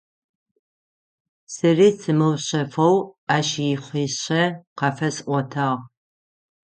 Сэри сымыушъэфэу ащ ихъишъэ къафэсӏотагъ.